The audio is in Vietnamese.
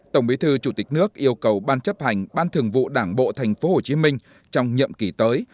tổng bí thư chủ tịch nước yêu cầu ban chấp hành ban thường vụ đảng bộ tp hcm trong nhậm kỳ tới